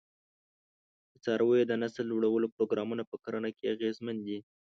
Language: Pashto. د څارویو د نسل لوړولو پروګرامونه په کرنه کې اغېزمن دي.